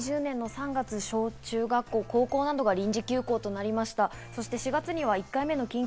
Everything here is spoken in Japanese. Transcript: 振り返りますと２０２０年の３月、小中学校、高校などが臨時休校となりました。